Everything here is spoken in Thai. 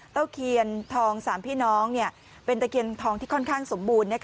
เคียนทอง๓พี่น้องเป็นตะเคียนทองที่ค่อนข้างสมบูรณ์